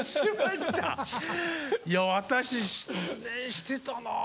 いや私失念してたなあ。